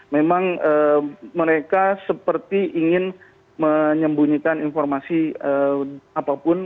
memang mereka seperti ingin menyembunyikan informasi apapun